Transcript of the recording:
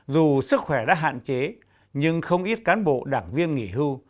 dù sức khỏe đã hạn chế nhưng không ít cán bộ đảng viên nghỉ hưu